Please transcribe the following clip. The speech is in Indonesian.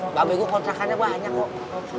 mba b gue kontrakannya banyak kok